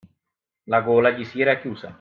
La gola gli si era chiusa.